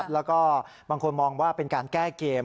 แล้วก็บางคนมองว่าเป็นการแก้เกม